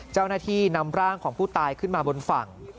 เจ้าหน้าที่นำร่างของผู้ตายขึ้นมาบนฝั่ง